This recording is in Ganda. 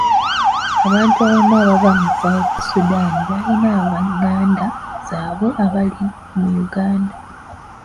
Abantu abamu abava mu South Sudan balina ab'enganda zaabwe abali mu Uganda.